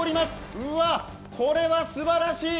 うわあ、これはすばらしい！